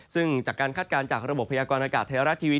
ซึ่งจากการคาดการณ์จากระบบพยากรณากาศไทยรัฐทีวี